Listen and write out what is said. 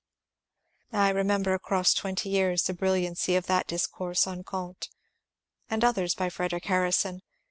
I remember across twenty years the brilliancy of that dis course on Comte, and others by Frederic Harrison.